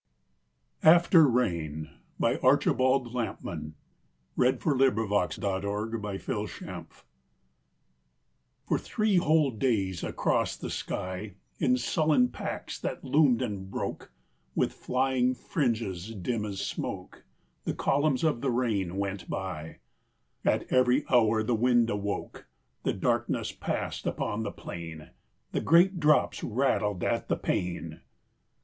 pour So sweet! so magical! His golden music, ghostly beautiful. AFTER RAIN For three whole days across the sky, In sullen packs that loomed and broke, With flying fringes dim as smoke, The columns of the rain went by; At every hour the wind awoke; The darkness passed upon the plain; The great drops rattled at the pane.